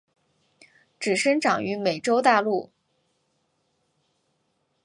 只生长于美洲大陆。